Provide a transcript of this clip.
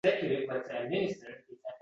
Fermer erkin bo‘lmasa izlanmaydi.